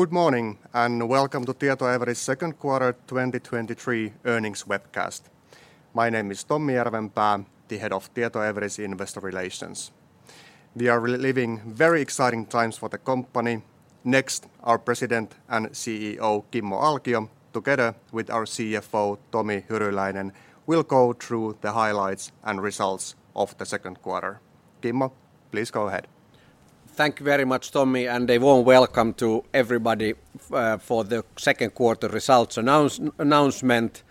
Good morning, and welcome to Tietoevry's 2Q 2023 earnings webcast. My name is Tommi Järvenpää, Head of Tietoevry'sTietoevry's Investor Relations. We are living very exciting times for the company. Next, our President and CEO, Kimmo Alkio, together with our CFO, Tomi Hyryläinen, will go through the highlights and results of the second quarter. Kimmo, please go ahead. Thank you very much, Tommi, and a warm welcome to everybody for the second quarter results announcement.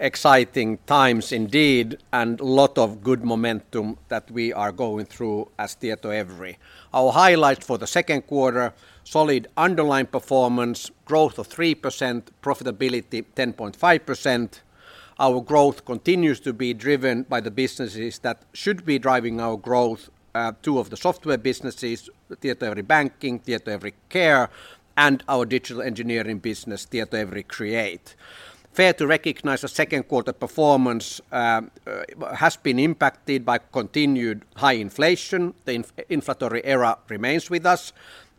Exciting times indeed, and a lot of good momentum that we are going through as Tietoevry's. Our highlight for the second quarter: solid underlying performance, growth of 3%, profitability 10.5%. Our growth continues to be driven by the businesses that should be driving our growth: two of the software businesses, Tietoevry Banking, Tietoevry Care, and our digital engineering business, Tietoevry Create. Fair to recognize the second quarter performance has been impacted by continued high inflation. The inflationary era remains with us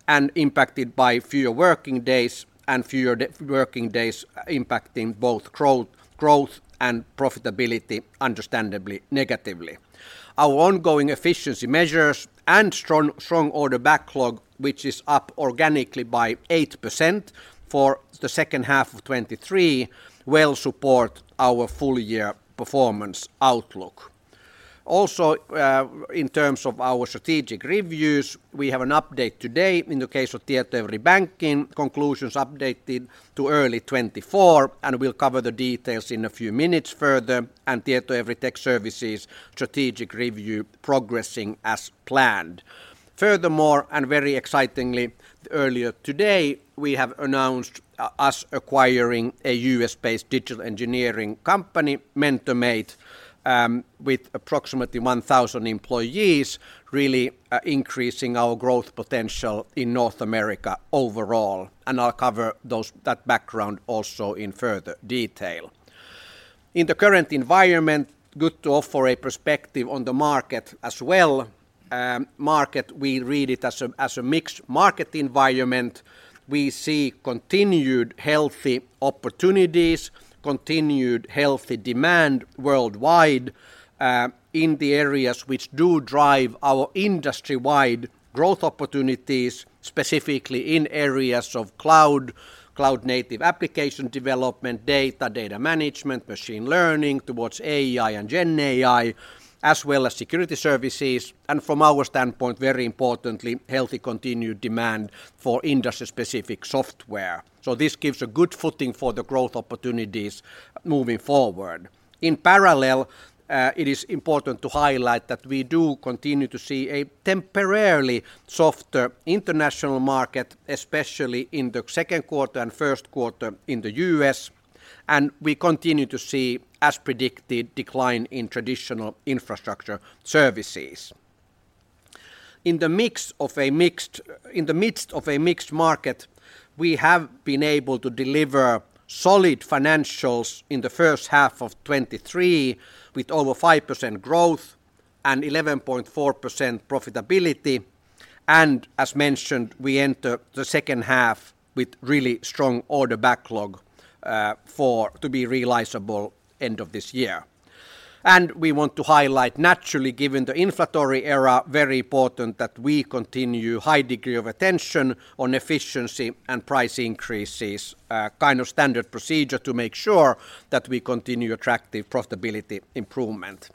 and has been impacted by fewer working days, with fewer working days impacting both growth and profitability understandably negatively. Our ongoing efficiency measures and strong order backlog, which is up organically by 8% for the second half of 2023, will support our full-year performance outlook. In terms of our strategic reviews, we have an update today in the case of Tietoevry Banking, with conclusions updated to early 2024. We'll cover the details in a few minutes further. Tietoevry Tech Services strategic review is progressing as planned. Very excitingly, earlier today, we have announced the acquisition of a U.S.-based digital engineering company, MentorMate, with approximately 1,000 employees, really increasing our growth potential in North America overall. I'll cover that background also in further detail. In the current environment, it's good to offer a perspective on the market as well. We read the market as a mixed market environment. We see continued healthy opportunities and continued healthy demand worldwide in the areas that drive our industry-wide growth opportunities, specifically in cloud-native application development, data management, machine learning towards AI and GenAI, as well as security services, and from our standpoint, very importantly, healthy continued demand for industry-specific software. This gives a good footing for the growth opportunities moving forward. In parallel, it is important to highlight that we do continue to see a temporarily softer international market, especially in the second quarter and first quarter in the U.S., and we continue to see, as predicted, a decline in traditional infrastructure services. In the midst of a mixed market, we have been able to deliver solid financials in the first half of 2023, with over 5% growth and 11.4% profitability. As mentioned, we enter the second half with a really strong order backlog to be realized by the end of this year. We want to highlight, naturally, given the inflationary era, that it is very important that we continue a high degree of attention on efficiency and price increases, a standard procedure to make sure that we continue attractive profitability improvement.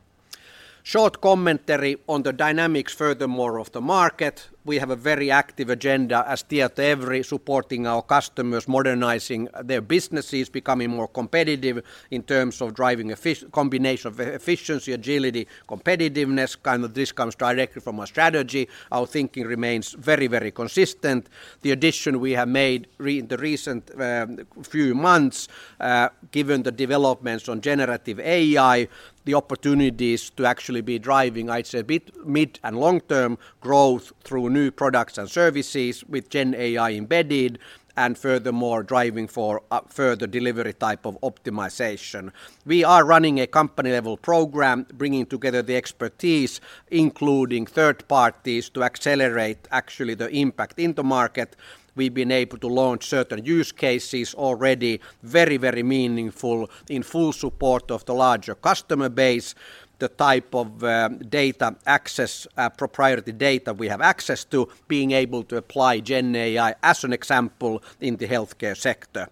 Short commentary on the dynamics of the market: we have a very active agenda as TietoEVRY, supporting our customers in modernizing their businesses and becoming more competitive in terms of driving a combination of efficiency, agility, and competitiveness. This comes directly from our strategy. Our thinking remains very, very consistent. The addition we have made in the recent few months, given the developments in generative AI, relates to the opportunities to drive mid- and long-term growth through new products and services with GenAI embedded, and furthermore to drive further delivery-type optimization. We are running a company-level program, bringing together the expertise, including third parties, to accelerate the impact in the market. We've been able to launch certain use cases already, which are very meaningful, in full support of the larger customer base and the type of data access and proprietary data we have access to, being able to apply GenAI, as an example, in the healthcare sector.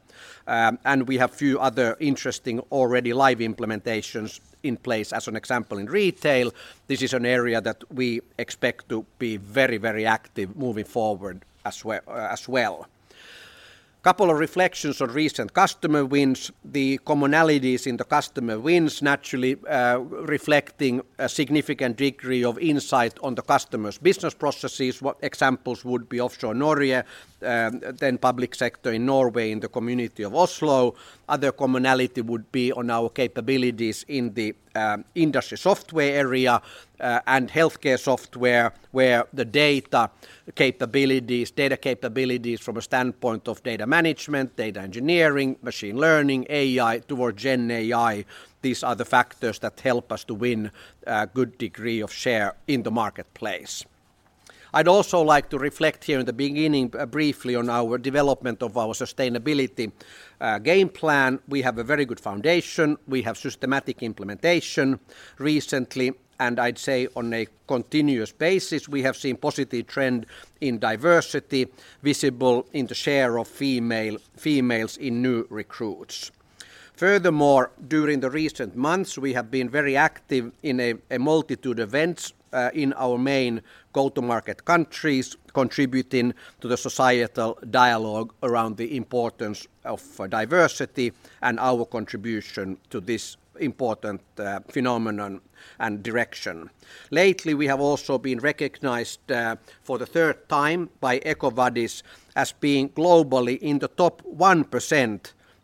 We have a few other interesting live implementations already in place, for example in retail. This is an area that we expect to be very active moving forward as well. A couple of reflections on recent customer wins. The commonalities in the customer wins naturally reflect a significant degree of insight into the customers' business processes. Examples would be offshore Norway and the public sector in Norway, in the community of Oslo. Another commonality would be our capabilities in the industry software area and healthcare software, where the data capabilities from a standpoint of data management, data engineering, machine learning, AI towards GenAI, are the factors that help us to win a good degree of share in the marketplace. I'd also like to reflect here, in the beginning, briefly on the development of our sustainability game plan. We have a very good foundation. We have systematic implementation recently. I'd say on a continuous basis we have seen a positive trend in diversity, visible in the share of females in new recruits. Furthermore, during the recent months, we have been very active in a multitude of events in our main go-to-market countries, contributing to the societal dialogue around the importance of diversity and our contribution to this important direction. Lately, we have also been recognized for the third time by EcoVadis as being globally in the top 1%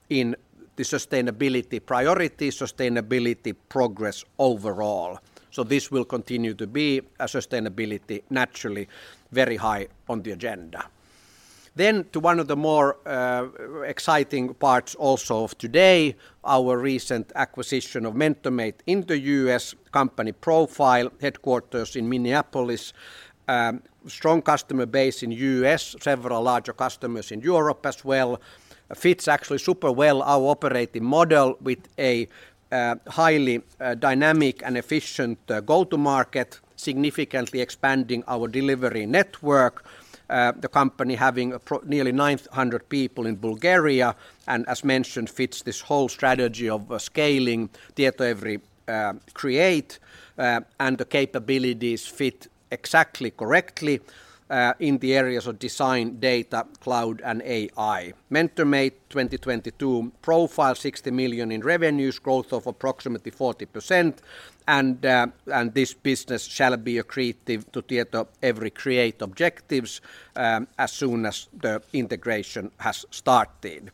in sustainability performance overall. Sustainability will naturally continue to be very high on the agenda. To one of the more exciting parts of today, our recent acquisition of MentorMate in the U.S. The company profile: headquarters in Minneapolis, strong customer base in the U.S., and several larger customers in Europe as well. Fits actually super well our operating model with a highly dynamic and efficient go-to-market, significantly expanding our delivery network. The company having nearly 900 people in Bulgaria, and as mentioned, fits this whole strategy of scaling Tietoevry Create, and the capabilities fit exactly correctly in the areas of design, data, cloud, and AI. MentorMate 2022 profile, 60 million in revenues, growth of approximately 40%, this business shall be accretive to Tietoevry Create objectives as soon as the integration has started.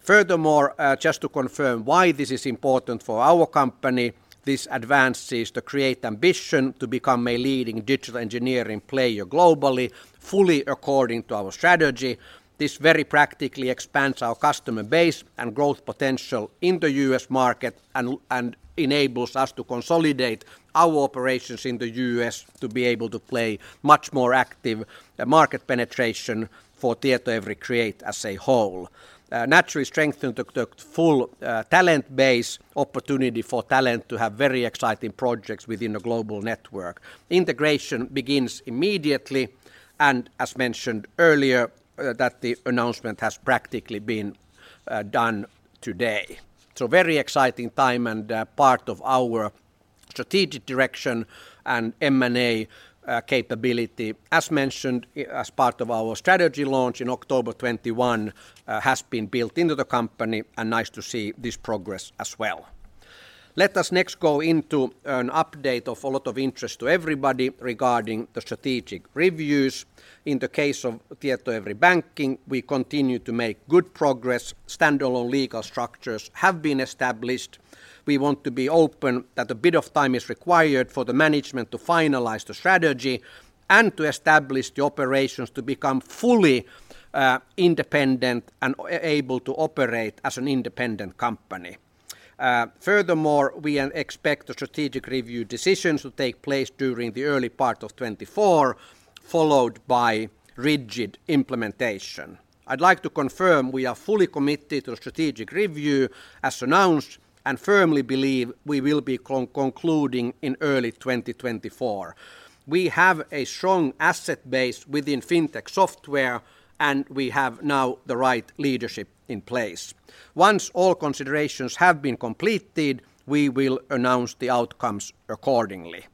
Furthermore, just to confirm why this is important for our company, this advances the Tietoevry Create ambition to become a leading digital engineering player globally, fully according to our strategy. This very practically expands our customer base and growth potential in the U.S. market and enables us to consolidate our operations in the U.S. to be able to play much more active market penetration for Tietoevry Create as a whole. Naturally, it strengthens the full talent base and provides an opportunity for talent to have very exciting projects within a global network. Integration begins immediately. As mentioned earlier, the announcement has practically been done today. A very exciting time and part of our strategic direction and M&A capability, as mentioned as part of our strategy launch in October 2021, has been built into the company, and it's nice to see this progress as well. Let us next go into an update of significant interest to everybody regarding the strategic reviews. In the case of Tietoevry Banking, we continue to make good progress. Standalone legal structures have been established. We want to be open that a bit of time is required for the management to finalize the strategy and to establish the operations to become fully independent and able to operate as an independent company. Furthermore, we expect the strategic review decisions to take place during the early part of 2024, followed by rigid implementation. I'd like to confirm we are fully committed to the strategic review, as announced, and firmly believe we will be concluding in early 2024. We have a strong asset base within fintech software, and we have now the right leadership in place. Once all considerations have been completed, we will announce the outcomes accordingly.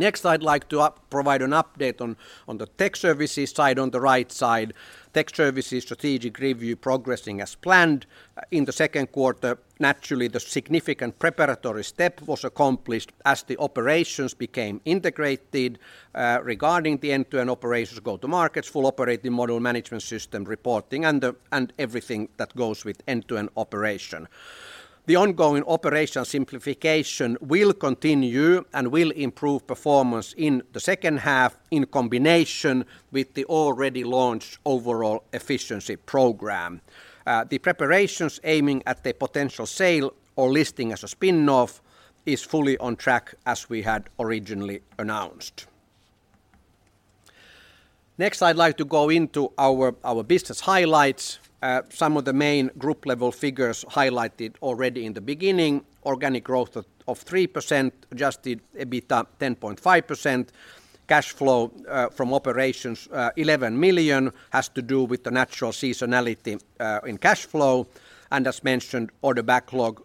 Next, I'd like to provide an update on the Tech Services side, on the right side. Tech Services strategic review progressing as planned. In the second quarter, naturally, the significant preparatory step was accomplished as the operations became integrated regarding the end-to-end operations, go-to-markets, full operating model management system reporting, and everything that goes with end-to-end operation. The ongoing operation simplification will continue and will improve performance in the second half in combination with the already launched overall efficiency program. The preparations aiming at the potential sale or listing as a spin-off is fully on track as we had originally announced. Next, I'd like to go into our business highlights. Some of the main group-level figures highlighted already in the beginning: organic growth of 3%, adjusted EBITDA 10.5%, cash flow from operations 11 million, which has to do with the natural seasonality in cash flow, and as mentioned, order backlog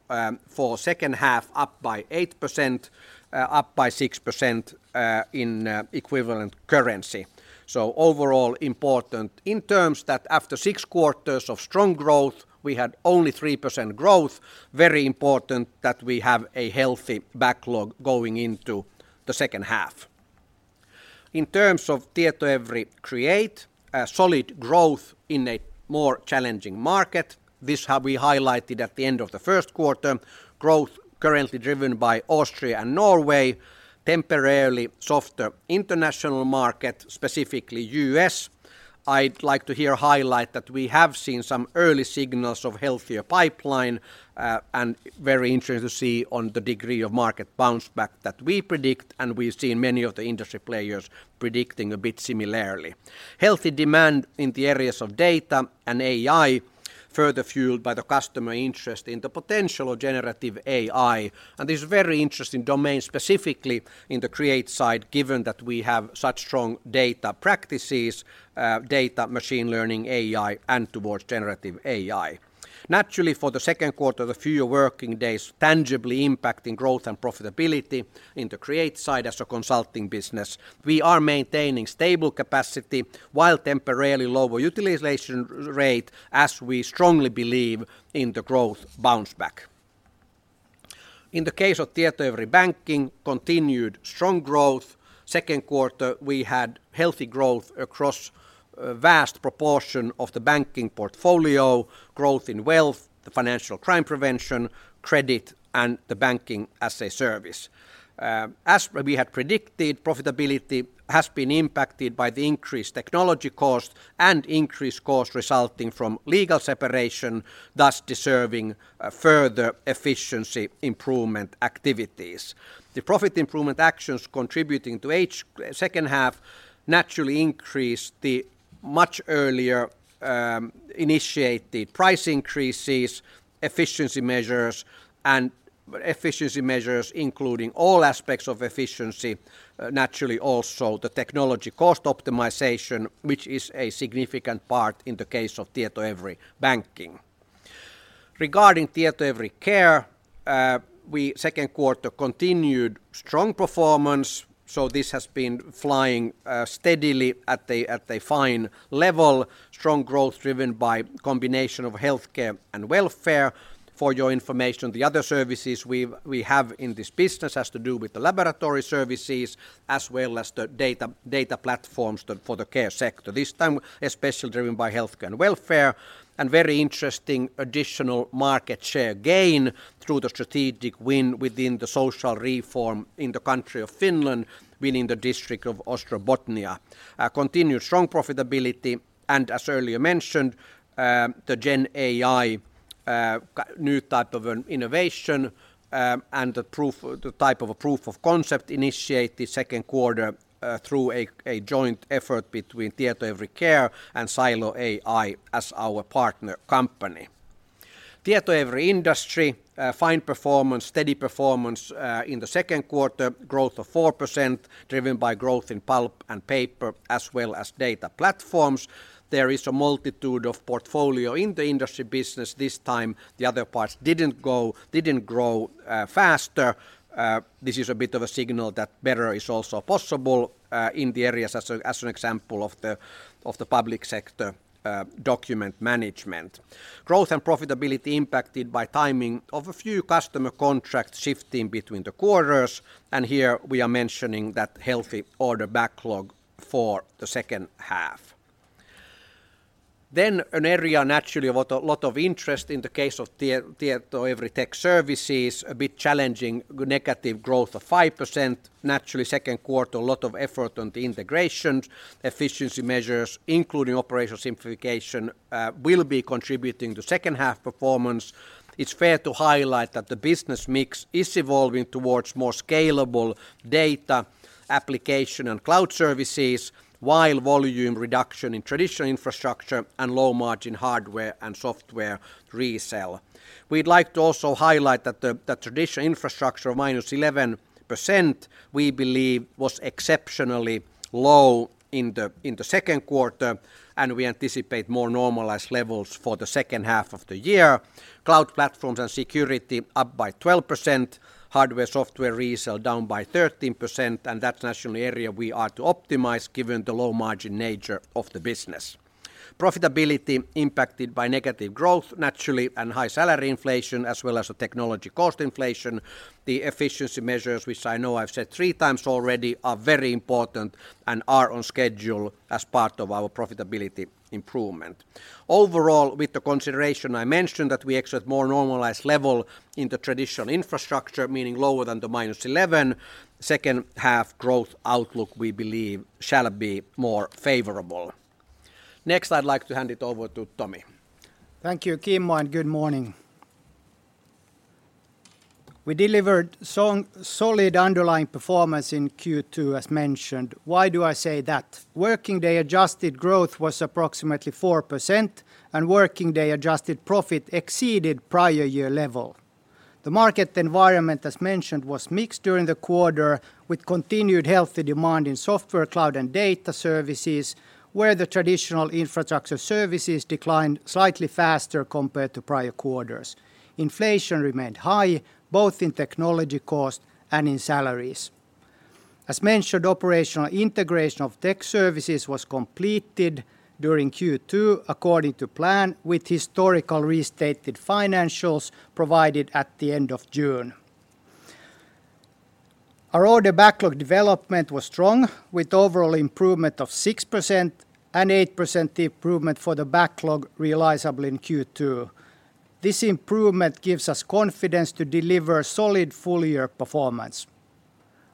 for the second half up by 8%, up by 6% in constant currency. Overall, it's important to note that after six quarters of strong growth, we had only 3% growth. It is very important that we have a healthy backlog going into the second half. In terms of Tietoevry Create, solid growth in a more challenging market. This we highlighted at the end of the first quarter. Growth currently driven by Austria and Norway, with a temporarily softer international market, specifically the U.S. I'd like to here highlight that we have seen some early signals of a healthier pipeline, and it's very interesting to see the degree of market bounce back that we predict, and we've seen many of the industry players predicting something similar. Healthy demand in the areas of data and AI, further fueled by customer interest in the potential of generative AI. This is a very interesting domain, specifically on the Create side, given that we have such strong data practices, data machine learning, AI, and towards generative AI. Naturally, for the second quarter, the fewer working days tangibly impacted growth and profitability on the Create side as a consulting business. We are maintaining stable capacity while temporarily at a lower utilization rate, as we strongly believe in the growth bounce back. In the case of Tietoevry Banking, continued strong growth. Second quarter, we had healthy growth across a vast proportion of the banking portfolio, growth in wealth, the financial crime prevention, credit, and the Banking as a Service. As we had predicted, profitability has been impacted by the increased technology cost and increased cost resulting from legal separation, thus deserving further efficiency improvement activities. The profit improvement actions contributing to second half naturally increased the much earlier initiated price increases, efficiency measures, and including all aspects of efficiency, naturally also the technology cost optimization, which is a significant part in the case of Tietoevry Banking. Regarding Tietoevry Care, we second quarter continued strong performance, so this has been flying steadily at a fine level. Strong growth driven by combination of healthcare and welfare. For your information, the other services we have in this business have to do with laboratory services, as well as the data platforms for the care sector, this time especially driven by healthcare and welfare, very interesting additional market share gain through the strategic win within the social reform in the country of Finland, winning the district of Ostrobothnia. A continued strong profitability, as earlier mentioned, the GenAI new type of innovation, and the type of proof of concept initiated in the second quarter through a joint effort between Tietoevry Care and Silo AI as our partner company. Tietoevry Industry, fine performance, steady performance in the second quarter, growth of 4%, driven by growth in pulp and paper as well as data platforms. There is a multitude of portfolio in the industry business. This time, the other parts didn't grow faster. This is a bit of a signal that better is also possible in the areas, as an example, of the public sector document management. Growth and profitability impacted by timing of a few customer contracts shifting between the quarters. Here we are mentioning the healthy order backlog for the second half. An area naturally of a lot of interest in the case of Tietoevry Tech Services, a bit challenging, negative growth of 5%. Naturally, in the second quarter, a lot of effort on the integration. Efficiency measures, including operational simplification, will be contributing to second half performance. It's fair to highlight that the business mix is evolving towards more scalable data, application, and cloud services, while volume reduction in traditional infrastructure and low-margin hardware and software resale. We'd like to also highlight that the traditional infrastructure of -11%, we believe, was exceptionally low in the second quarter, and we anticipate more normalized levels for the second half of the year. Cloud platforms and security up by 12%, hardware/software resale down by 13%. That's naturally an area we are to optimize, given the low-margin nature of the business. Profitability impacted by negative growth, naturally, and high salary inflation, as well as the technology cost inflation. The efficiency measures, which I know I've said three times already, are very important and are on schedule as part of our profitability improvement. Overall, with the consideration I mentioned, that we expect more normalized level in the traditional infrastructure, meaning lower than the minus 11, second half growth outlook, we believe, shall be more favorable. I'd like to hand it over to Tomi. We delivered strong, solid underlying performance in Q2, as mentioned. Why do I say that? Working day-adjusted growth was approximately 4%, and working day-adjusted profit exceeded prior year level. The market environment, as mentioned, was mixed during the quarter, with continued healthy demand in software, cloud, and data services, where the traditional infrastructure services declined slightly faster compared to prior quarters. Inflation remained high, both in technology cost and in salaries. As mentioned, operational integration of Tech Services was completed during Q2 according to plan, with historical restated financials provided at the end of June. Our order backlog development was strong, with overall improvement of 6% and 8% improvement for the backlog realizable in Q2. This improvement gives us confidence to deliver solid full-year performance.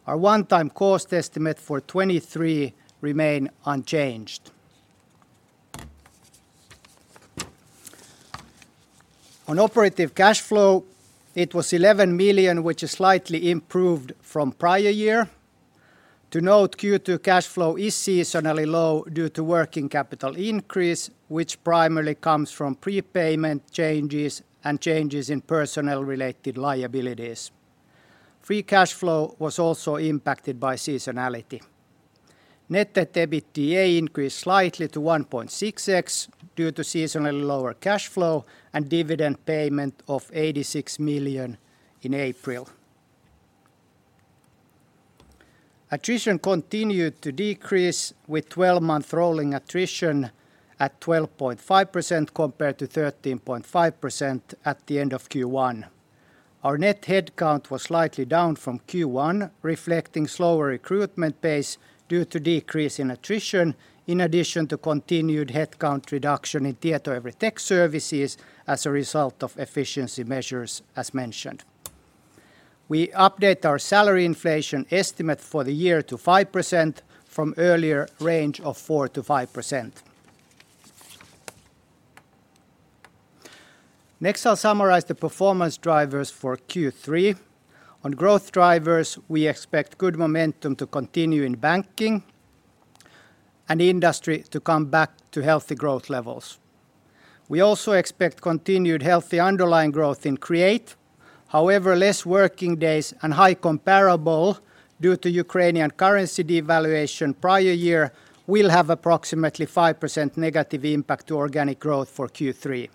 Our one-time cost estimate for 2023 remain unchanged. On operative cash flow, it was 11 million, which is slightly improved from prior year. To note, Q2 cash flow is seasonally low due to working capital increase, which primarily comes from prepayment changes and changes in personnel-related liabilities. Free cash flow was also impacted by seasonality. Net debt to EBITDA increased slightly to 1.6x due to seasonally lower cash flow and dividend payment of 86 million in April. Attrition continued to decrease, with 12-month rolling attrition at 12.5% compared to 13.5% at the end of Q1. Our net headcount was slightly down from Q1, reflecting slower recruitment pace due to decrease in attrition, in addition to continued headcount reduction in Tietoevry Tech Services as a result of efficiency measures as mentioned. We update our salary inflation estimate for the year to 5% from earlier range of 4%-5%. Next, I'll summarize the performance drivers for Q3. On growth drivers, we expect good momentum to continue in banking and industry to come back to healthy growth levels. We also expect continued healthy underlying growth in Create. However, less working days and high comparable due to Ukrainian currency devaluation prior year will have approximately 5% negative impact to organic growth for Q3.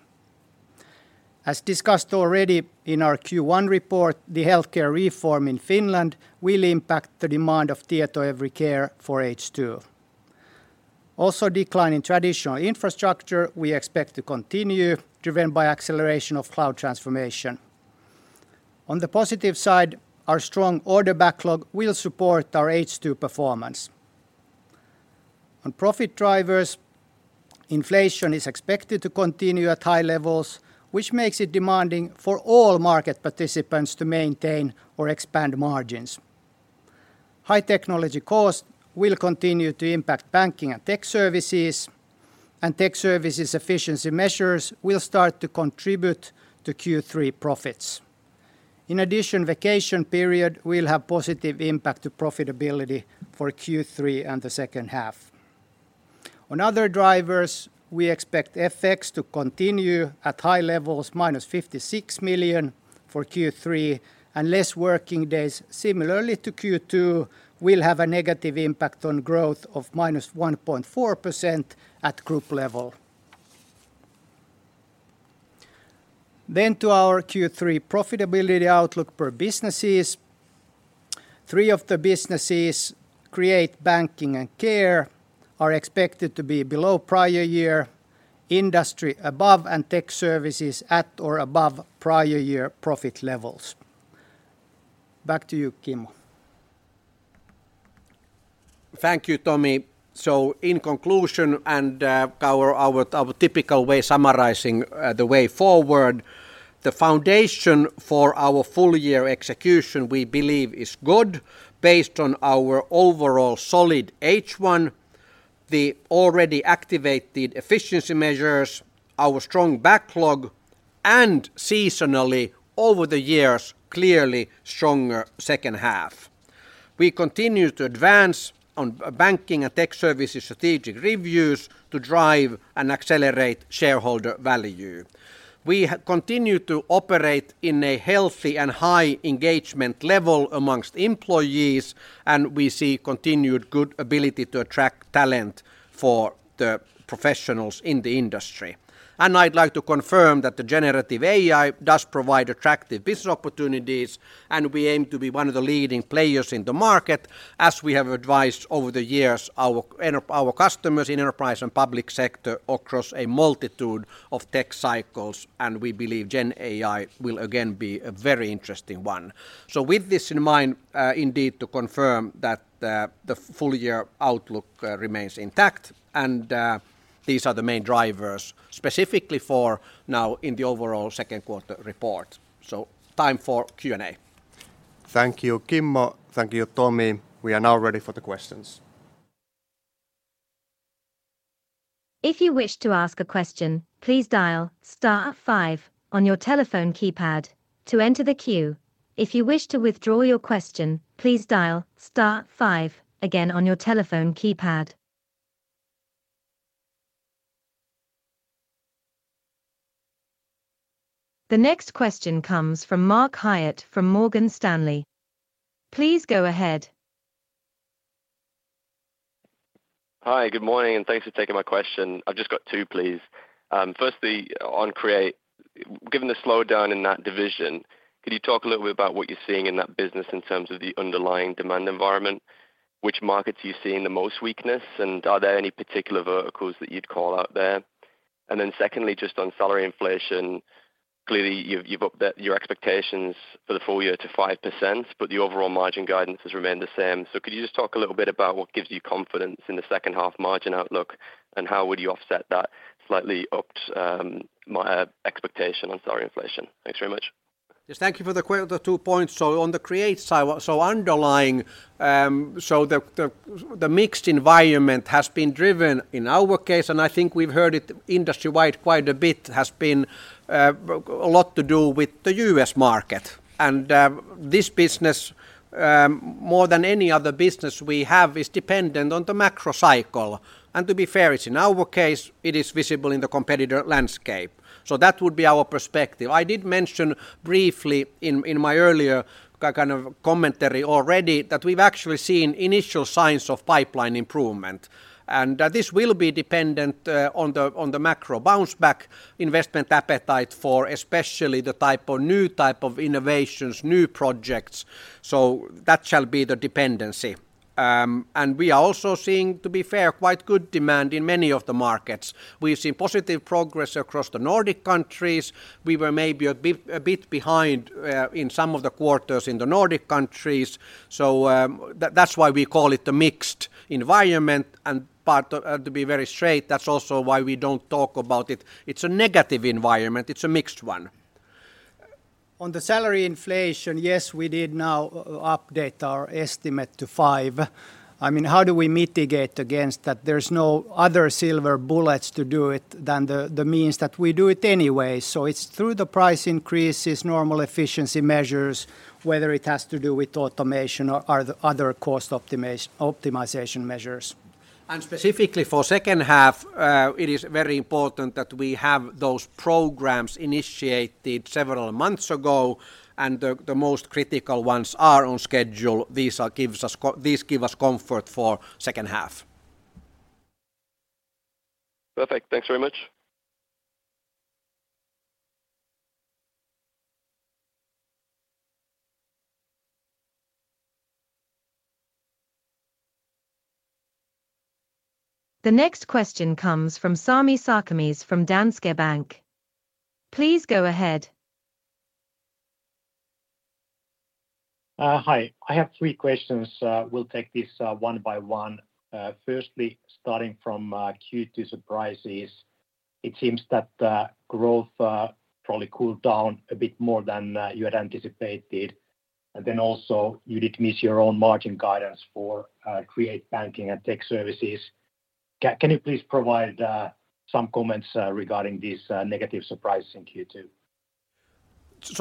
As discussed already in our Q1 report, the healthcare reform in Finland will impact the demand of Tietoevry Care for H2. Also, decline in traditional infrastructure we expect to continue, driven by acceleration of cloud transformation. On the positive side, our strong order backlog will support our H2 performance. On profit drivers, inflation is expected to continue at high levels, which makes it demanding for all market participants to maintain or expand margins. High technology cost will continue to impact banking and tech services. Tech services efficiency measures will start to contribute to Q3 profits. In addition, vacation period will have positive impact to profitability for Q3 and the second half. On other drivers, we expect FX to continue at high levels (-56 million for Q3), and less working days, similarly to Q2, will have a negative impact on growth of -1.4% at group level. To our Q3 profitability outlook per businesses. Three of the businesses, Create, Banking, and Care, are expected to be below prior year, Industry above, and Tech Services at or above prior year profit levels. Back to you, Kimmo. Thank you, Tomi. In conclusion, and our typical way of summarizing the way forward, the foundation for our full-year execution, we believe, is good based on our overall solid H1, the already activated efficiency measures, our strong backlog, and seasonally, over the years, a clearly stronger second half. We continue to advance on Banking and Tech Services strategic reviews to drive and accelerate shareholder value. We continue to operate at a healthy and high engagement level amongst employees, and we see continued good ability to attract talent for professionals in the industry. I'd like to confirm that the Generative AI does provide attractive business opportunities, and we aim to be one of the leading players in the market, as we have advised over the years our customers in enterprise and public sector across a multitude of tech cycles, and we believe GenAI will again be a very interesting one. With this in mind, indeed, to confirm that the full-year outlook remains intact, and these are the main drivers specifically for now in the overall second quarter report. Time for Q&A. Thank you, Kimmo. Thank you, Tomi. We are now ready for the questions. If you wish to ask a question, please dial star 5 on your telephone keypad to enter the queue. If you wish to withdraw your question, please dial star 5 again on your telephone keypad. The next question comes from Mark Hyatt from Morgan Stanley. Please go ahead. Hi, good morning, and thanks for taking my question. I've just got two, please. Firstly, on Create, given the slowdown in that division, could you talk a little bit about what you're seeing in that business in terms of the underlying demand environment? Which markets are you seeing the most weakness, and are there any particular verticals that you'd call out there? Secondly, just on salary inflation, clearly, you've upped that your expectations for the full year to 5%, but the overall margin guidance has remained the same. Could you just talk a little bit about what gives you confidence in the second half margin outlook, and how would you offset that slightly upped my expectation on salary inflation? Thanks very much. Yes, thank you for the two points. On the Create side, so underlying, so the mixed environment has been driven in our case, and I think we've heard it industry-wide quite a bit, has been a lot to do with the U.S. market. This business, more than any other business we have, is dependent on the macro cycle. To be fair, it's in our case, it is visible in the competitor landscape. That would be our perspective. I did mention briefly in my earlier kind of commentary already, that we've actually seen initial signs of pipeline improvement. This will be dependent, on the macro bounce back investment appetite for especially the type of new type of innovations, new projects, so that shall be the dependency. We are also seeing, to be fair, quite good demand in many of the markets. We've seen positive progress across the Nordic countries. We were maybe a bit behind in some of the quarters in the Nordic countries, so that's why we call it the mixed environment. To be very straight, that's also why we don't talk about it. It's a negative environment. It's a mixed one. On the salary inflation, yes, we did now update our estimate to 5%. I mean, how do we mitigate against that? There's no other silver bullets to do it than the means that we do it anyway. It's through the price increases, normal efficiency measures, whether it has to do with automation or the other cost optimization measures. Specifically for second half, it is very important that we have those programs initiated several months ago, and the most critical ones are on schedule. These give us comfort for second half. Perfect. Thanks very much. The next question comes from Sami Sarkamies from Danske Bank. Please go ahead. Hi, I have three questions. We'll take this, one by one. Firstly, starting from Q2 surprises, it seems that the growth probably cooled down a bit more than you had anticipated. Also, you did miss your own margin guidance for Create Banking and Tech Services. Can you please provide some comments regarding these negative surprise in Q2?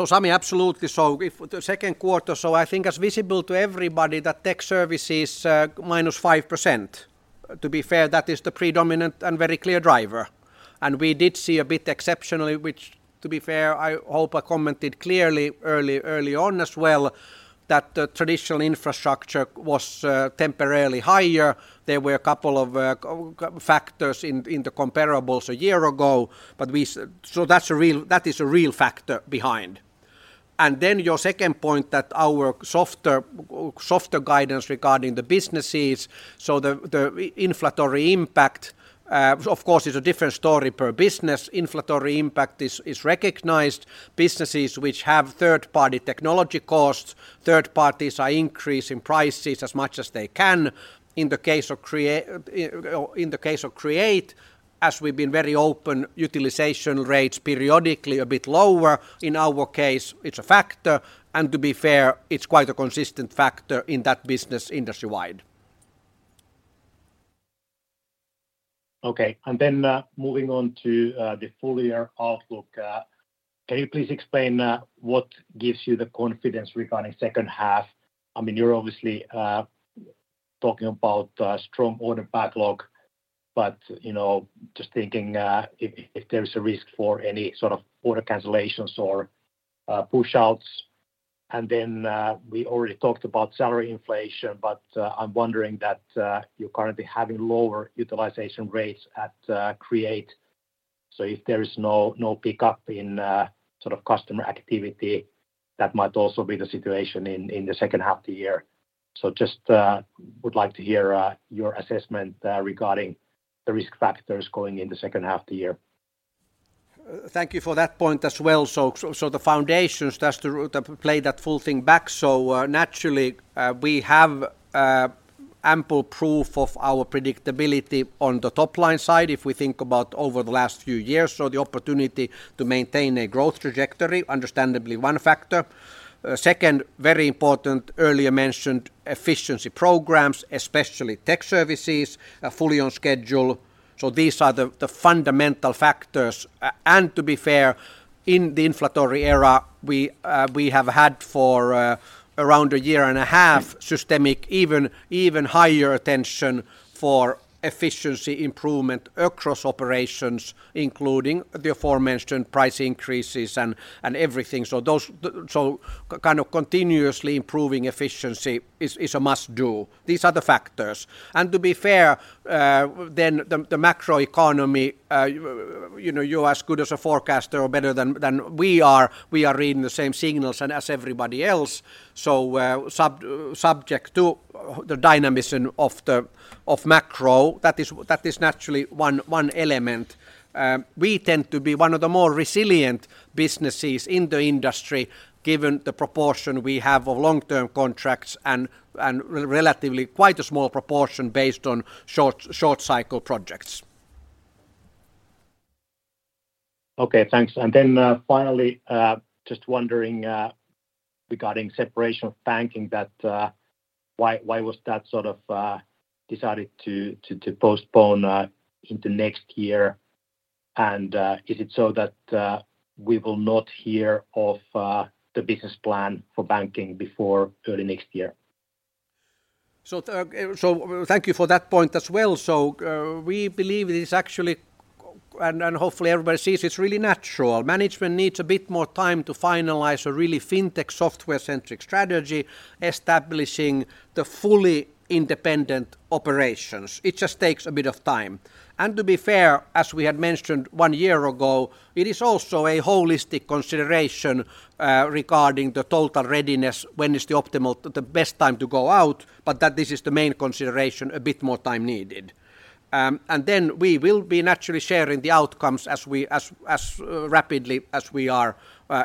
Sami, absolutely. If the second quarter... I think as visible to everybody, that Tech Services is -5%. To be fair, that is the predominant and very clear driver. We did see a bit exceptionally, which, to be fair, I hope I commented clearly early on as well, that the traditional infrastructure was temporarily higher. There were a couple of co-factors in the comparables a year ago, but that is a real factor behind. Your second point, that our softer guidance regarding the businesses, the inflationary impact, of course, is a different story per business. Inflationary impact is recognized. Businesses which have third-party technology costs, third parties are increasing prices as much as they can. In the case of Create, as we've been very open, utilization rates periodically a bit lower. In our case, it's a factor, and to be fair, it's quite a consistent factor in that business industry-wide. Okay. Moving on to the full year outlook, can you please explain what gives you the confidence regarding second half? I mean, you're obviously talking about strong order backlog, but, you know, just thinking, if there is a risk for any sort of order cancellations or push-outs. We already talked about salary inflation, but, I'm wondering that you're currently having lower utilization rates at Create. If there is no pickup in sort of customer activity, that might also be the situation in the second half of the year. Just would like to hear your assessment regarding the risk factors going in the second half of the year. Thank you for that point as well. The foundations, just to play that full thing back, naturally, we have ample proof of our predictability on the top-line side, if we think about over the last few years, the opportunity to maintain a growth trajectory, understandably one factor. Second, very important, earlier mentioned efficiency programs, especially Tech Services, are fully on schedule, these are the fundamental factors. To be fair, in the inflationary era, we have had for around a year and a half, systemic, even higher attention for efficiency improvement across operations, including the aforementioned price increases and everything. Kind of continuously improving efficiency is a must do. These are the factors. To be fair, then the macro economy, you know, you're as good as a forecaster or better than we are. We are reading the same signals and as everybody else. Subject to the dynamism of macro, that is naturally one element. We tend to be one of the more resilient businesses in the industry, given the proportion we have of long-term contracts and relatively quite a small proportion based on short cycle projects. Okay, thanks. Finally, just wondering, regarding separation of Tietoevry Banking, that, why was that sort of, decided to postpone, into next year? Is it so that, we will not hear of, the business plan for Tietoevry Banking before early next year? Thank you for that point as well. We believe it is actually, and hopefully everybody sees it's really natural. Management needs a bit more time to finalize a really fintech software-centric strategy, establishing the fully independent operations. It just takes a bit of time. To be fair, as we had mentioned one year ago, it is also a holistic consideration regarding the total readiness, when is the best time to go out, but that this is the main consideration, a bit more time needed. We will be naturally sharing the outcomes as rapidly as we are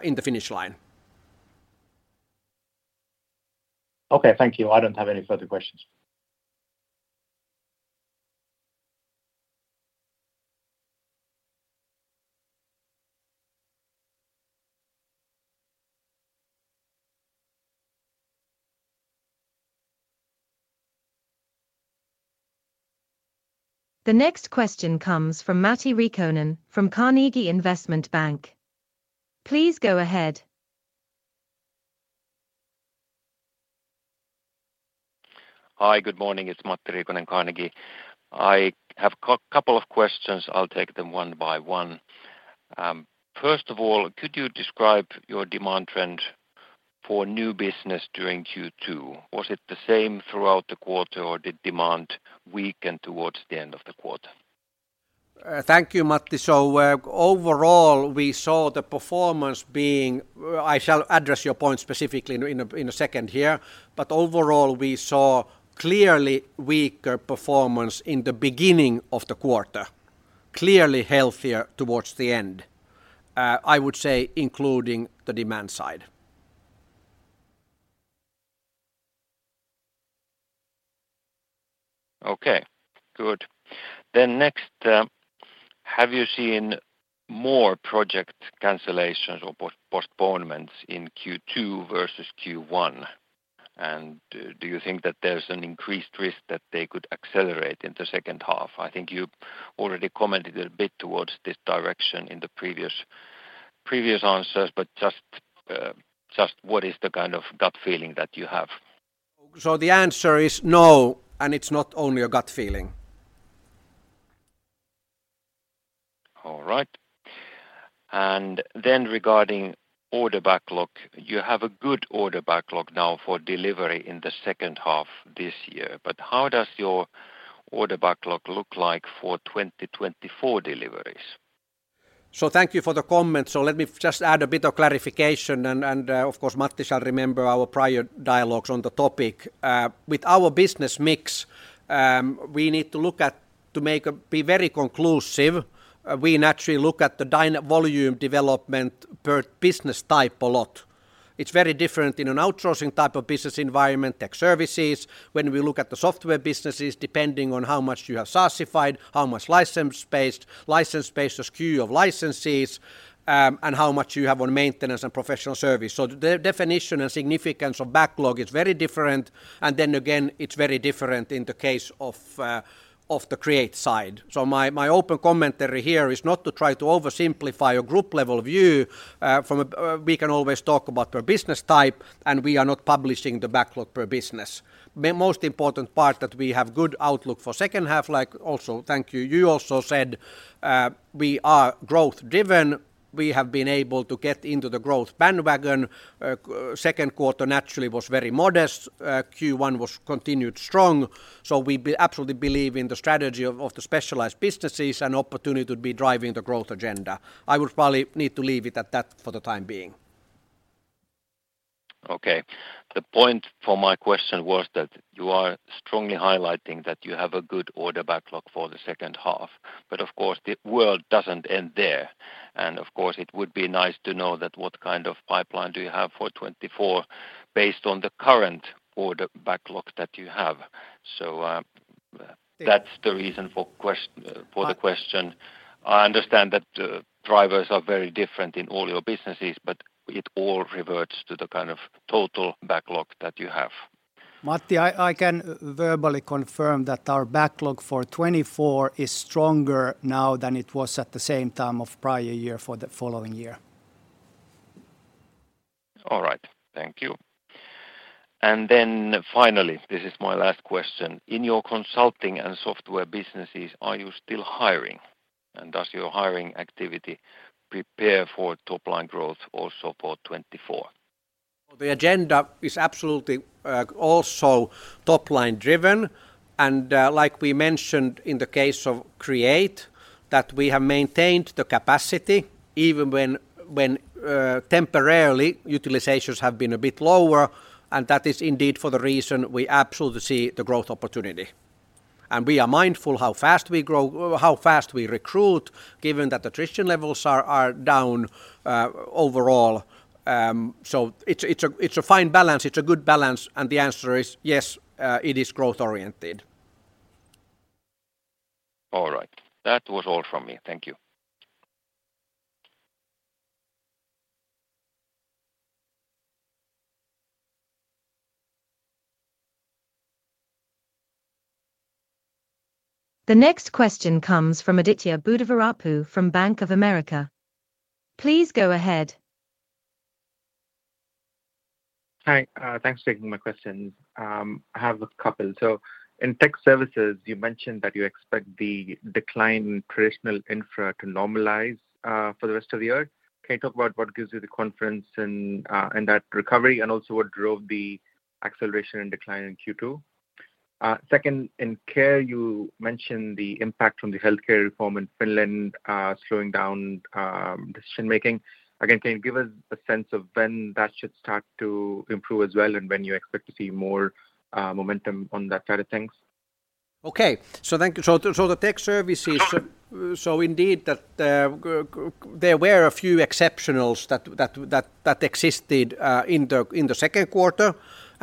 in the finish line. Okay, thank you. I don't have any further questions. The next question comes from Matti Riikonen from Carnegie Investment Bank. Please go ahead. Hi, good morning. It's Matti Riikonen, Carnegie. I have a couple of questions. I'll take them one by one. First of all, could you describe your demand trend for new business during Q2? Was it the same throughout the quarter, or did demand weaken towards the end of the quarter? Thank you, Matti. Overall, we saw the performance being. I shall address your point specifically in a second here. Overall, we saw clearly weaker performance in the beginning of the quarter, clearly healthier towards the end, I would say, including the demand side. Okay, good. Next, have you seen more project cancellations or postponements in Q2 versus Q1? Do you think that there's an increased risk that they could accelerate in the second half? I think you already commented a bit towards this direction in the previous answers, just what is the kind of gut feeling that you have? The answer is no, and it's not only a gut feeling. All right. Regarding order backlog, you have a good order backlog now for delivery in the second half this year, but how does your order backlog look like for 2024 deliveries? Thank you for the comment. Let me just add a bit of clarification, and of course, Matti shall remember our prior dialogues on the topic. With our business mix, we need to look at... To be very conclusive, we naturally look at the dynamic volume development per business type a lot. It's very different in an outsourcing-type business environment, Tech Services. When we look at the software businesses, depending on how much you have SaaSified, how much license-based SKU of licenses, and how much you have on maintenance and professional service, the definition and significance of backlog is very different. And then again, it's very different in the case of the Create side. My open commentary here is not to try to oversimplify a group-level view from a... We can always talk about per business type, and we are not publishing the backlog per business. The most important part that we have good outlook for second half, like also, thank you also said, we are growth-driven. We have been able to get into the growth bandwagon. Second quarter naturally was very modest. Q1 was continued strong, so we absolutely believe in the strategy of the specialized businesses and opportunity to be driving the growth agenda. I would probably need to leave it at that for the time being. Okay. The point for my question was that you are strongly highlighting that you have a good order backlog for the second half, but of course, the world doesn't end there. Of course, it would be nice to know what kind of pipeline do you have for 2024 based on the current order backlogs that you have? That's the reason for. I- for the question. I understand that the drivers are very different in all your businesses, but it all reverts to the kind of total backlog that you have. Matti, I can verbally confirm that our backlog for 2024 is stronger now than it was at the same time of prior year for the following year. All right. Thank you. Finally, this is my last question: In your consulting and software businesses, are you still hiring? Does your hiring activity prepare for top-line growth also for 2024? The agenda is absolutely also top-line driven, and like we mentioned in the case of Create, that we have maintained the capacity even when temporarily utilizations have been a bit lower, and that is indeed for the reason we absolutely see the growth opportunity. We are mindful how fast we grow, how fast we recruit, given that attrition levels are down overall. It's a fine balance, it's a good balance, and the answer is yes, it is growth-oriented. All right. That was all from me. Thank you. The next question comes from Aditya Buddhavarapu from Bank of America. Please go ahead. In Tech Services, you mentioned that you expect the decline in traditional infrastructure to normalize for the rest of the year. Can you talk about what gives you the confidence in that recovery, and also what drove the acceleration in the decline in Q2? Second, in Care, you mentioned the impact from the healthcare reform in Finland slowing down decision-making. Can you give us a sense of when that should start to improve as well, and when you expect to see more momentum on that side of things? Okay. Thank you. The Tech Services, indeed, there were a few exceptionals that existed in the second quarter.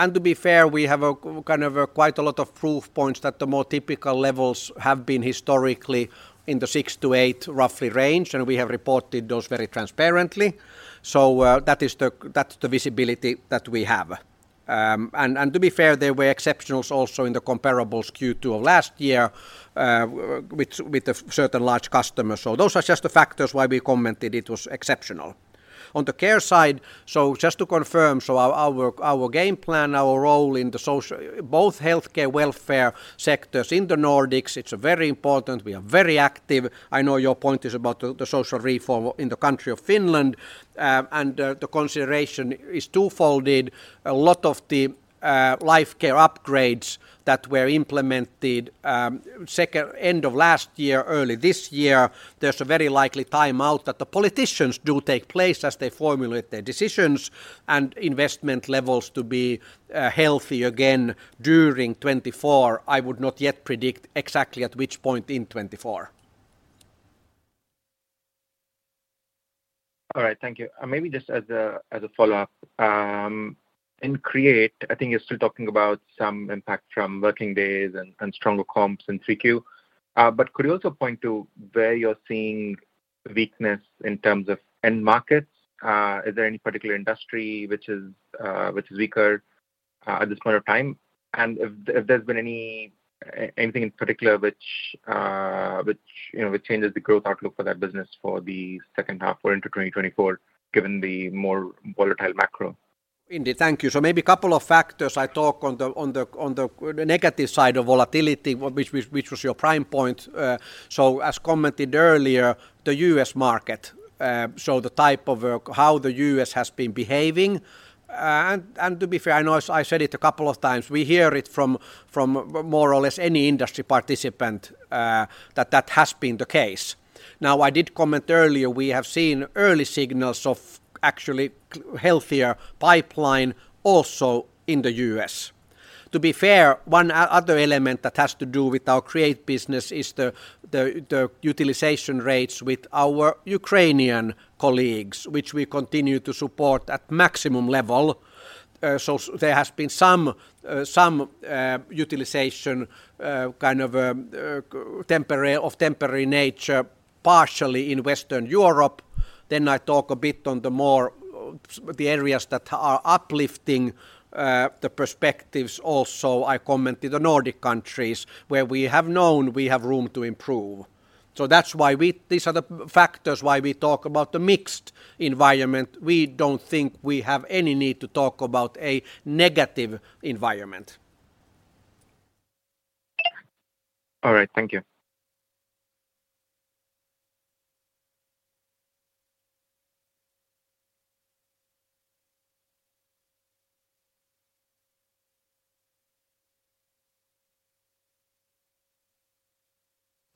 To be fair, we have a kind of a quite a lot of proof points that the more typical levels have been historically in the 6-8 roughly range, and we have reported those very transparently. That is the, that's the visibility that we have. And to be fair, there were exceptionals also in the comparables Q2 of last year, with the certain large customers. Those are just the factors why we commented it was exceptional. On the Care side, just to confirm, our game plan, our role in the social, both healthcare, welfare sectors in the Nordics, it's very important. We are very active. I know your point is about the social reform in the country of Finland, and the consideration is twofolded. A lot of the life care upgrades that were implemented, second end of last year, early this year, there's a very likely timeout that the politicians do take place as they formulate their decisions and investment levels to be healthy again during 2024. I would not yet predict exactly at which point in 2024. All right. Thank you. Maybe just as a follow-up, in Create, I think you're still talking about some impact from working days and stronger comps in 3Q. Could you also point to where you're seeing weakness in terms of end markets? Is there any particular industry which is weaker, at this point of time? If there's been any, anything in particular which, you know, which changes the growth outlook for that business for the second half or into 2024, given the more volatile macro? Indeed, thank you. Maybe two factors I talk on the negative side of volatility, which was your prime point. As commented earlier, the U.S. market, the type of how the U.S. has been behaving. To be fair, I know I said it two times, we hear it from more or less any industry participant, that has been the case. Now, I did comment earlier, we have seen early signals of actually healthier pipeline also in the U.S. To be fair, one other element that has to do with our Create business is the utilization rates with our Ukrainian colleagues, which we continue to support at maximum level. There has been some utilization, kind of, temporary, of temporary nature, partially in Western Europe. I talk a bit on the more, the areas that are uplifting, the perspectives. Also, I commented the Nordic countries, where we have known we have room to improve. That's why These are the factors why we talk about the mixed environment. We don't think we have any need to talk about a negative environment. All right. Thank you.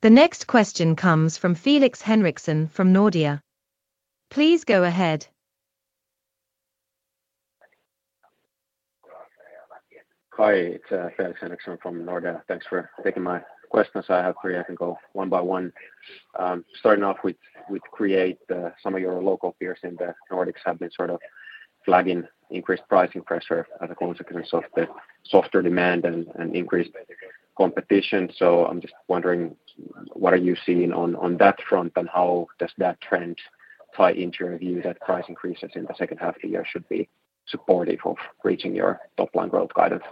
The next question comes from Felix Henriksson from Nordea. Please go ahead. Hi, it's Felix Henriksson from Nordea. Thanks for taking my questions. I have three. I can go one by one. Starting off with Create, some of your local peers in the Nordics have been sort of flagging increased pricing pressure as a consequence of the softer demand and increased competition. I'm just wondering, what are you seeing on that front, and how does that trend play into your view that price increases in the second half of the year should be supportive of reaching your top line growth guidance?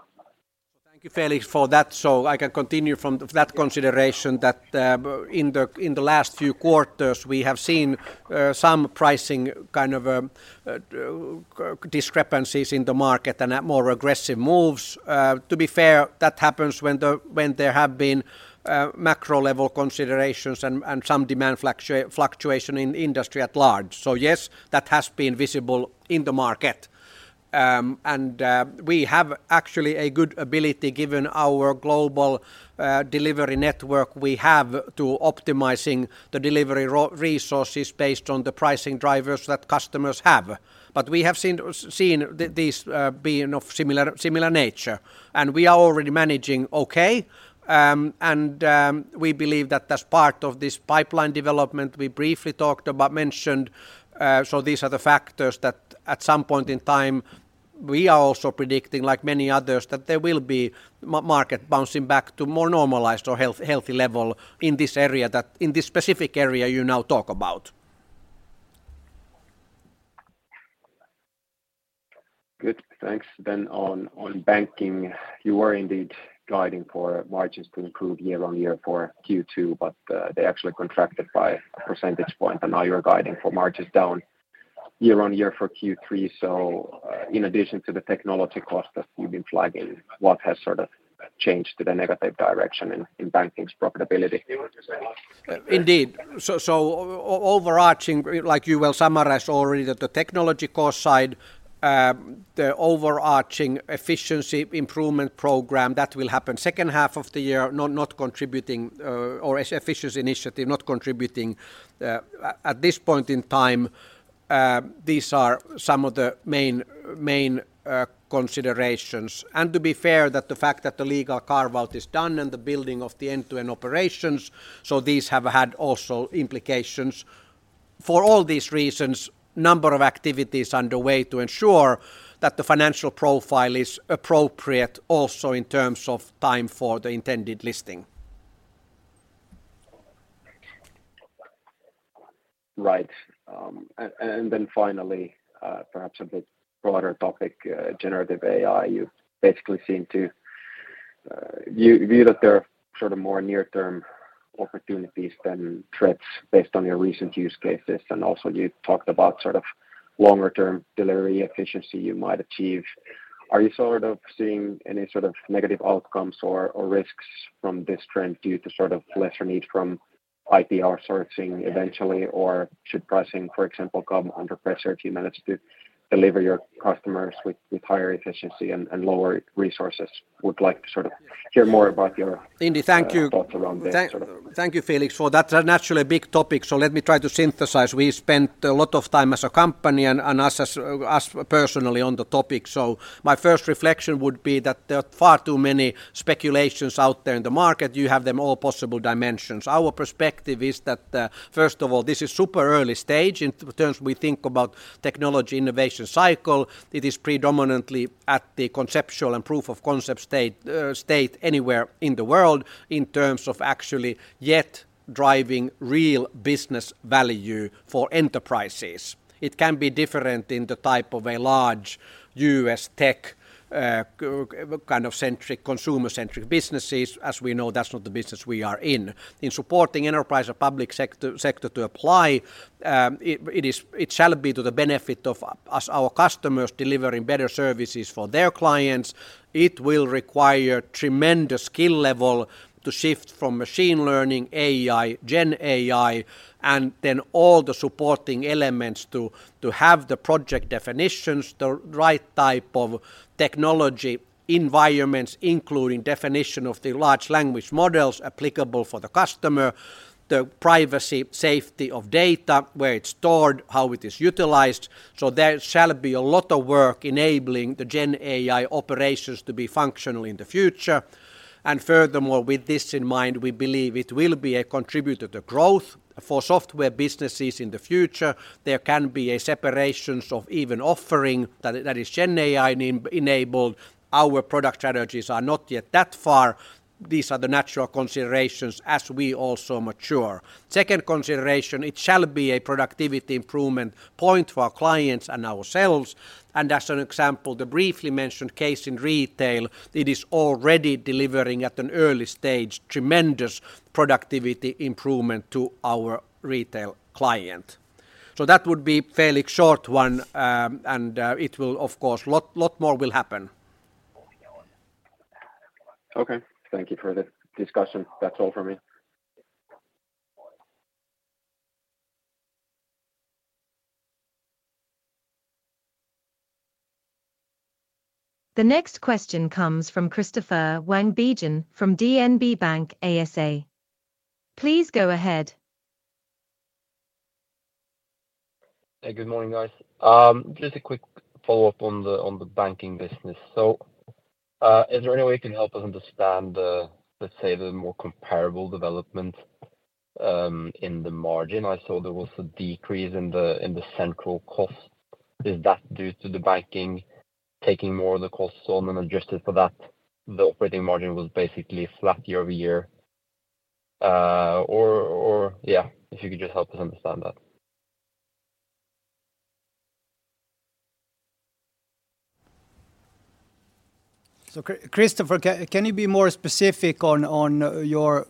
Thank you, Felix, for that. I can continue from that consideration, that in the last few quarters, we have seen some pricing kind of discrepancies in the market and more aggressive moves. To be fair, that happens when there have been macro-level considerations and some demand fluctuation in industry at large. Yes, that has been visible in the market. We have actually a good ability, given our global delivery network we have, to optimizing the delivery resources based on the pricing drivers that customers have. We have seen this being of similar nature, and we are already managing okay. We believe that as part of this pipeline development we briefly talked about, mentioned, these are the factors that, at some point in time, we are also predicting, like many others, that there will be market bouncing back to more normalized or healthy level in this area that, in this specific area you now talk about. Good. Thanks. On, on banking, you were indeed guiding for margins to improve year-on-year for Q2, but they actually contracted by a percentage point, and now you're guiding for margins down year-on-year for Q3. In addition to the technology cost that you've been flagging, what has sort of changed to the negative direction in banking's profitability? Indeed. Overarching, like you well summarized already, that the technology cost side, the overarching efficiency improvement program, that will happen second half of the year, not contributing, or efficiency initiative not contributing. At this point in time, these are some of the main considerations. To be fair, that the fact that the legal carve-out is done and the building of the end-to-end operations, these have had also implications. For all these reasons, number of activities underway to ensure that the financial profile is appropriate also in terms of time for the intended listing. Right. Then finally, perhaps a bit broader topic, Generative AI. You basically seem to view that there are more near-term opportunities than threats based on your recent use cases. Also, you talked about longer-term delivery efficiency you might achieve. Are you seeing any sort of negative outcomes or risks from this trend due to lesser need for IPR sourcing eventually? Should pricing, for example, come under pressure if you manage to deliver to your customers with higher efficiency and lower resources? Would like to hear more about your... Indy, thank you. -thoughts around that sort of- Thank you, Felix, for that. Naturally, a big topic, so let me try to synthesize. We spent a lot of time as a company and us as us personally on the topic. My first reflection would be that there are far too many speculations out there in the market. You have them all possible dimensions. Our perspective is that first of all, this is super early stage. In terms we think about technology innovation cycle, it is predominantly at the conceptual and proof of concept state anywhere in the world in terms of actually yet driving real business value for enterprises. It can be different in the type of a large U.S. tech, kind of centric, consumer-centric businesses. As we know, that's not the business we are in. In supporting enterprise or public sector to apply, it shall be to the benefit of us and our customers, delivering better services for their clients. It will require tremendous skill level to shift from machine learning, AI, GenAI, and then all the supporting elements to have the project definitions, the right type of technology environments, including definition of the large language models applicable for the customer, the privacy, safety of data, where it's stored, how it is utilized. There shall be a lot of work enabling the GenAI operations to be functional in the future. Furthermore, with this in mind, we believe it will be a contributor to growth for software businesses in the future. There can be separations of even offering that is GenAI enabled. Our product strategies are not yet that far. These are the natural considerations as we also mature. Second consideration. It shall be a productivity improvement point for our clients and ourselves. As an example, the briefly mentioned case in retail, it is already delivering, at an early stage, tremendous productivity improvement to our retail client. That would be fairly short one, and it will, of course, lot more will happen. Okay. Thank you for the discussion. That's all from me. The next question comes from Christoffer Wang Bjørnsen from DNB Bank ASA. Please go ahead. Hey, good morning, guys. Just a quick follow-up on the, on the banking business. Is there any way you can help us understand the, let's say, the more comparable development, in the margin? I saw there was a decrease in the, in the central cost. Is that due to the banking taking more of the costs on and adjusted for that, the operating margin was basically flat year-over-year? Yeah, if you could just help us understand that. Christoffer, can you be more specific on your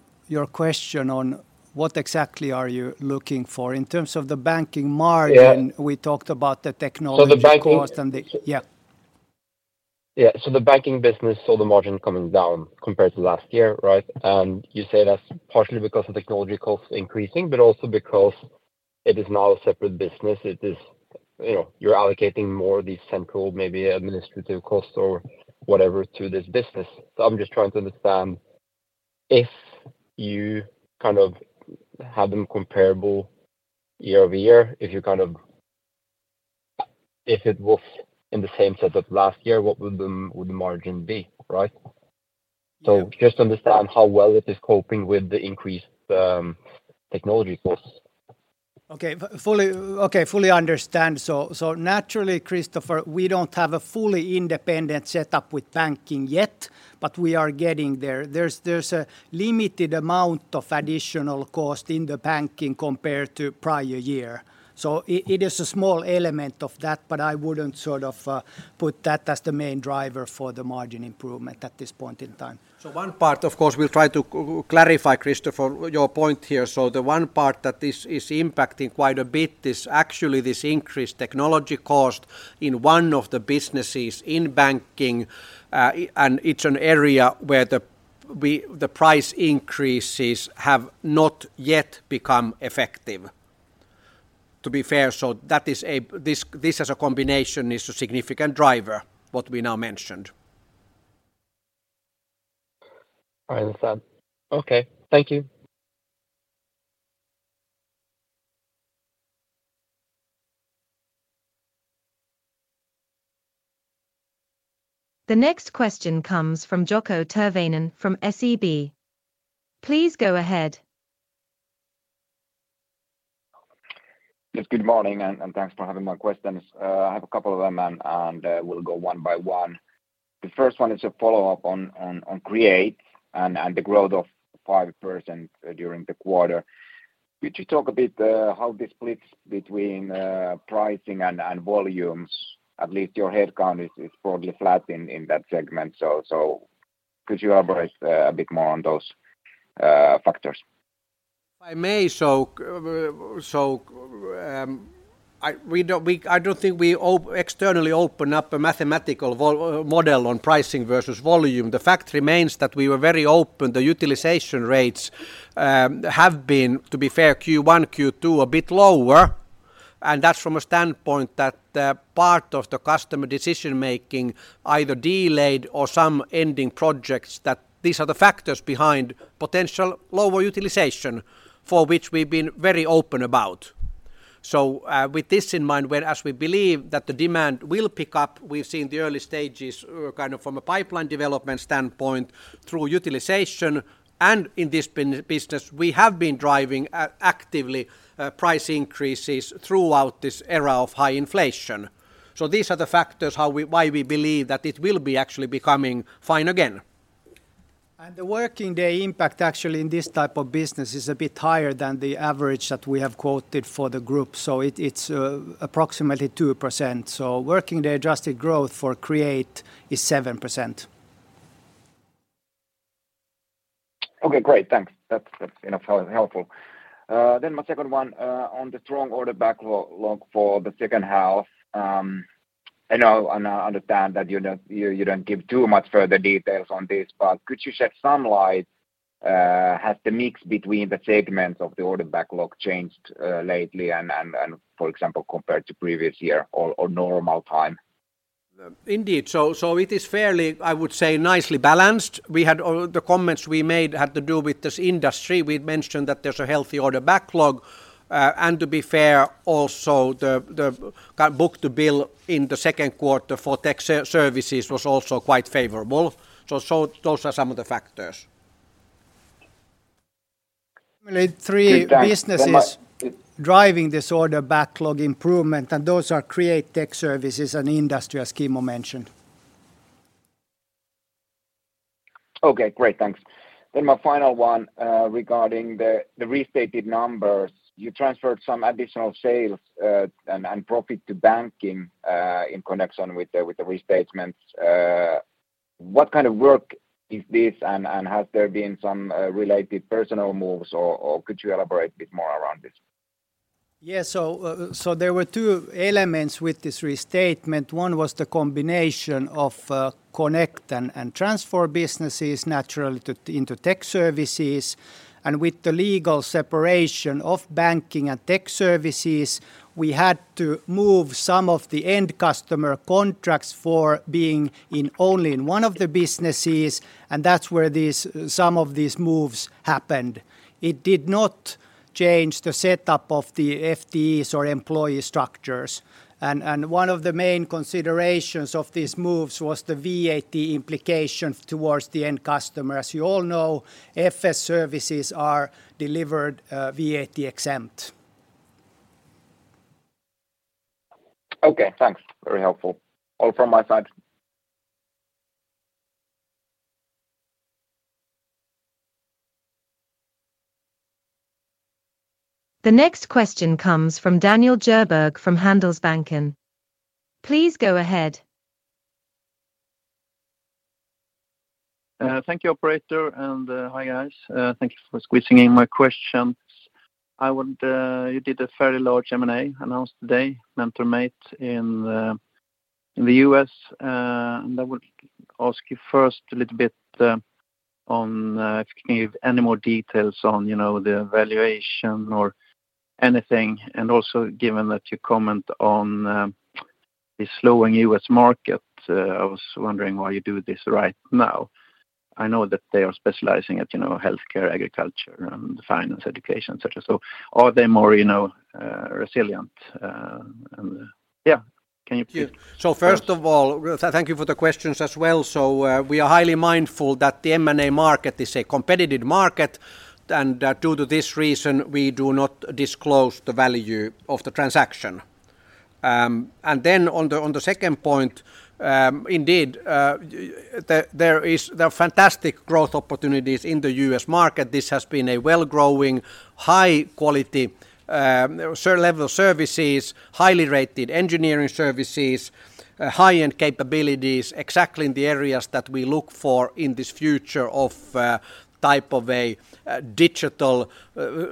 question on what exactly are you looking for? In terms of the banking margin- Yeah. We talked about the technology. So the banking- -cost and the. Yeah. Yeah. The banking business saw the margin coming down compared to last year, right? You say that's partially because of technology costs increasing, but also because it is now a separate business. It is, you know, you're allocating more of these central, maybe administrative costs or whatever, to this business. I'm just trying to understand if you kind of have them comparable year-over-year, If it was in the same setup last year, what would the margin be, right? Yeah. just understand how well it is coping with the increased technology costs. Fully understand. Naturally, Christoffer, we don't have a fully independent setup with banking yet, but we are getting there. There's a limited amount of additional cost in the banking compared to prior year. It is a small element of that, but I wouldn't sort of put that as the main driver for the margin improvement at this point in time. One part, of course, we'll try to clarify, Christopher, your point here. The one part that this is impacting quite a bit is actually this increased technology cost in one of the businesses in banking, and it's an area where the price increases have not yet become effective, to be fair. This as a combination is a significant driver, what we now mentioned. All right, that's done. Okay, thank you. The next question comes from Jaakko Tyrväinen from SEB. Please go ahead. Good morning, and thanks for having my questions. I have a couple of them, and we'll go one by one. The first one is a follow-up on Create and the growth of 5% during the quarter. Could you talk a bit how this splits between pricing and volumes? At least your headcount is probably flat in that segment. Could you elaborate a bit more on those factors? If I may, I don't think we externally open up a mathematical model on pricing versus volume. The fact remains that we were very open. The utilization rates have been, to be fair, Q1, Q2, a bit lower, and that's from a standpoint that the part of the customer decision-making either delayed or some ending projects, that these are the factors behind potential lower utilization, for which we've been very open about. With this in mind, where as we believe that the demand will pick up, we've seen the early stages, kind of from a pipeline development standpoint through utilization. In this business, we have been driving actively price increases throughout this era of high inflation. These are the factors how why we believe that it will be actually becoming fine again. The working day impact actually in this type of business is a bit higher than the average that we have quoted for the group, it's approximately 2%. Working the adjusted growth for Tietoevry Create is 7%. Okay, great. Thanks. That's, you know, helpful. My second one, on the strong order backlog for the second half, I know and I understand that you don't give too much further details on this, but could you shed some light, has the mix between the segments of the order backlog changed lately and, for example, compared to previous year or normal time? Indeed. it is fairly, I would say, nicely balanced. We had all the comments we made had to do with this industry. To be fair, also, the book-to-bill in the second quarter for Tech Services was also quite favorable. those are some of the factors. Really three businesses. Thanks very much.... driving this order backlog improvement, and those are Create, Tech Services, and Industry, as Kimmo mentioned. Okay, great. Thanks. My final one, regarding the restated numbers. You transferred some additional sales, and profit to banking, in connection with the restatements. What kind of work is this, and has there been some related personnel moves, or could you elaborate a bit more around this? Yeah. So there were two elements with this restatement. One was the combination of Connect and transfer businesses naturally to, into Tech Services. With the legal separation of Banking and Tech Services, we had to move some of the end customer contracts for being in only in one of the businesses, and that's where these, some of these moves happened. It did not change the setup of the FTEs or employee structures. One of the main considerations of these moves was the VAT implication towards the end customer. As you all know, FS services are delivered, VAT-exempt. Okay, thanks. Very helpful. All from my side. The next question comes from Daniel Djurberg from Handelsbanken. Please go ahead. Thank you, operator, hi, guys. Thank you for squeezing in my questions. You did a fairly large M&A announced today, MentorMate in the US. I would ask you first a little bit on if you can give any more details on, you know, the valuation or anything. Given that you comment on the slowing US market, I was wondering why you do this right now. I know that they are specializing at, you know, healthcare, agriculture, and finance, education, such as. Are they more, you know, resilient and, yeah. Thank you. First of all, thank you for the questions as well. We are highly mindful that the M&A market is a competitive market, and due to this reason, we do not disclose the value of the transaction. On the second point, indeed, there are fantastic growth opportunities in the U.S. market. This has been a well-growing, high-quality, certain level of services, highly rated engineering services, high-end capabilities, exactly in the areas that we look for in this future of type of a digital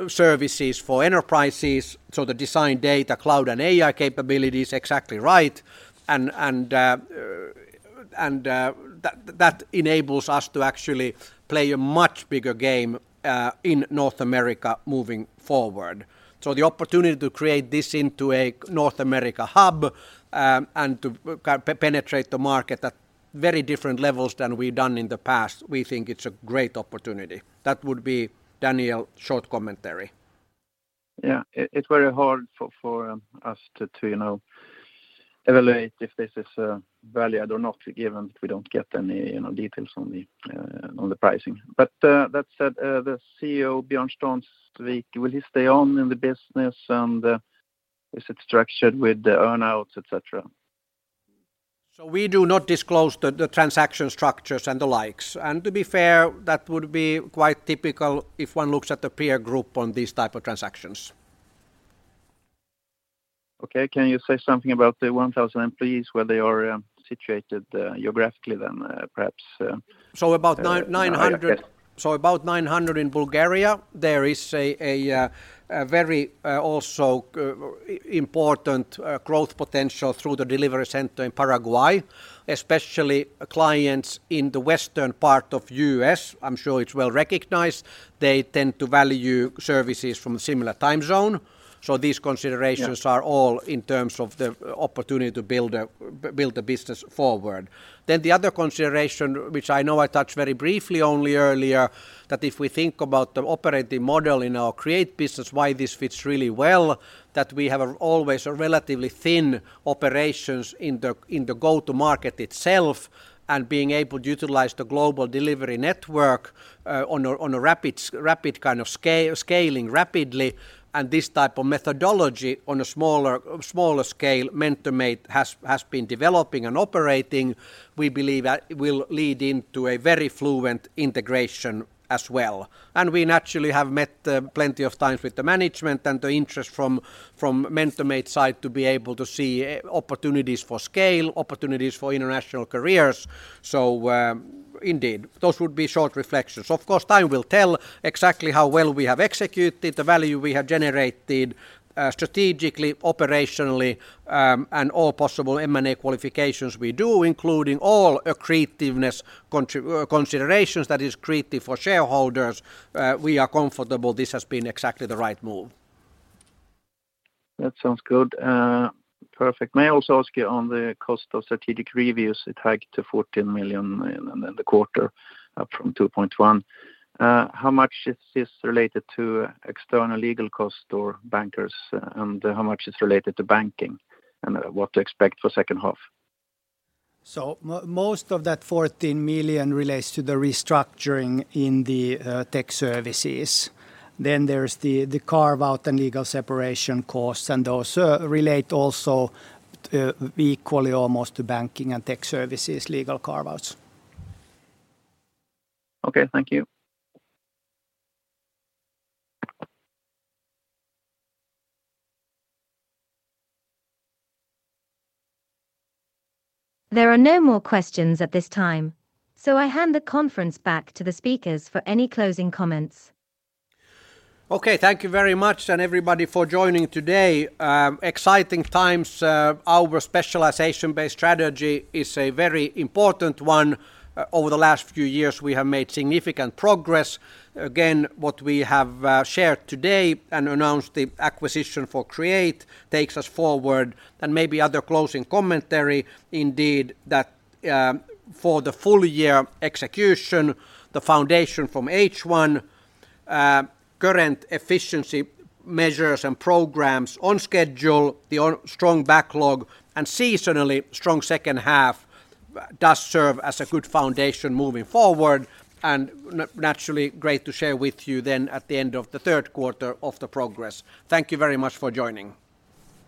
services for enterprises. The design, data, cloud, and AI capabilities, exactly right. That enables us to actually play a much bigger game in North America moving forward. The opportunity to create this into a North America hub, and to penetrate the market at very different levels than we've done in the past, we think it's a great opportunity. That would be Daniel's short commentary. Yeah. It's very hard for us to, you know, evaluate if this is valued or not, given we don't get any, you know, details on the pricing. That said, the CEO, Björn Stansvik, will he stay on in the business, and is it structured with the earn-outs, et cetera? We do not disclose the transaction structures and the likes. To be fair, that would be quite typical if one looks at the peer group on these type of transactions. Okay. Can you say something about the 1,000 employees, where they are situated geographically then, perhaps? So about nine- -in area?... 900. About 900 in Bulgaria. There is a very important growth potential through the delivery center in Paraguay, especially clients in the western part of U.S. I'm sure it's well-recognized. They tend to value services from a similar time zone. These considerations- Yeah are all in terms of the opportunity to build the business forward. The other consideration, which I know I touched very briefly only earlier, that if we think about the operating model in our Create business, why this fits really well, that we have always a relatively thin operations in the go-to-market itself, and being able to utilize the global delivery network on a rapid kind of scaling rapidly, and this type of methodology on a smaller scale MentorMate has been developing and operating, we believe that will lead into a very fluent integration as well. We naturally have met plenty of times with the management and the interest from MentorMate side to be able to see opportunities for scale, opportunities for international careers. Indeed, those would be short reflections. Of course, time will tell exactly how well we have executed, the value we have generated, strategically, operationally, all possible M&A qualifications we do, including all accretiveness considerations that is accretive for shareholders. We are comfortable this has been exactly the right move. That sounds good. Perfect. May I also ask you on the cost of strategic reviews, it hiked to 14 million in the quarter, up from 2.1 million. How much is this related to external legal cost or bankers, and how much is related to banking, and what to expect for second half? Most of that 14 million relates to the restructuring in the Tech Services. There's the carve-out and legal separation costs, and those relate also equally almost to Banking and Tech Services legal carve-outs. Okay. Thank you. There are no more questions at this time, so I hand the conference back to the speakers for any closing comments. Okay, thank you very much, everybody, for joining today. Exciting times, our specialization-based strategy is a very important one. Over the last few years, we have made significant progress. Again, what we have shared today and announced the acquisition for Tietoevry Create takes us forward. Maybe other closing commentary, indeed, that for the full year execution, the foundation from H1, current efficiency measures and programs on schedule, the strong backlog, and seasonally strong second half does serve as a good foundation moving forward, naturally, great to share with you then at the end of the third quarter of the progress. Thank you very much for joining.